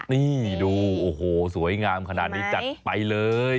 นี่ดูโอ้โหสวยงามขนาดนี้จัดไปเลย